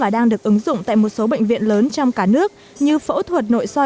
đang gây phương hại